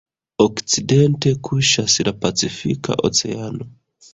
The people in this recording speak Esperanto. Okcidente kuŝas la Pacifika Oceano.